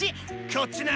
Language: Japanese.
こっちな！